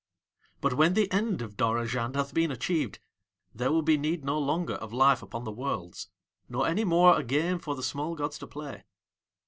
But when the end of Dorozhand hath been achieved there will be need no longer of Life upon the Worlds, nor any more a game for the small gods to play.